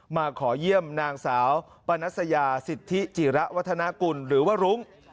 มาขอเยี่ยมนางสาวปนัสยาสิทธิจิระวัฒนากุลหรือว่ารุ้ง